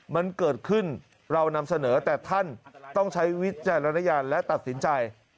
มันเกิดขึ้นเรานำเสนอแต่ท่านต้องใช้วิจารณญาณและตัดสินใจ